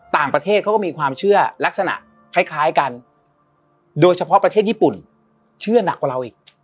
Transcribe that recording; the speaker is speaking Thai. ต่างประเทศเขาก็มีความเชื่อลักษณะคล้ายกันโดยเฉพาะประเทศญี่ปุ่นเชื่อหนักกว่าเราอีก